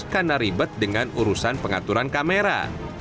karena ribet dengan urusan pengaturan kamera